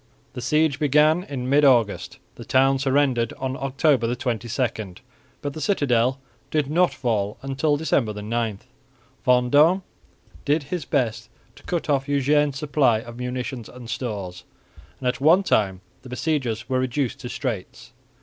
The siege began in mid August; the town surrendered on October 22, but the citadel did not fall until December 9. Vendôme did his best to cut off Eugene's supplies of munitions and stores, and at one time the besiegers were reduced to straits.